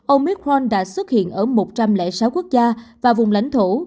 omicron đã xuất hiện ở một trăm linh sáu quốc gia và vùng lãnh thổ